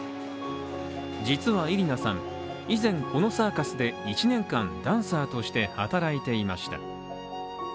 実はイリナさん、以前このサーカスで１年間、ダンサーとして働いていました。